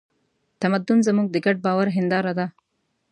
تمدن زموږ د ګډ باور هینداره ده.